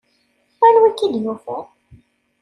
Anwa i k-id-yufan?